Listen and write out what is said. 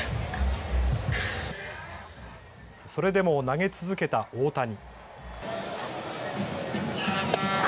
それでも投げ続けた大谷。